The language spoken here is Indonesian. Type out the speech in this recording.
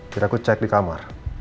jadi aku cek di kamar